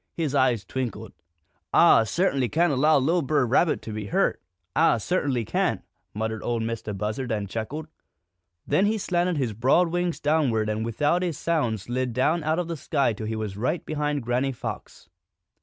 His eyes twinkled. "Ah cert'nly can't allow li'l' Brer Rabbit to be hurt, Ah cert'nly can't!" muttered Ol' Mistah Buzzard, and chuckled. Then he slanted his broad wings downward and without a sound slid down out of the sky till he was right behind Granny Fox.